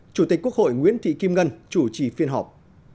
chủ tịch quốc hội nguyễn thị kim ngân chủ trì phiên họp